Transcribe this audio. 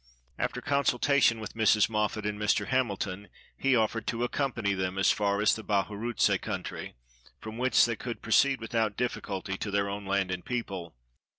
After consultation with Mrs. Moffat and Mr. Hamilton, he offered to accompany them as far as the Bahurutse country, from whence they could proceed without diffi culty to their own land and people.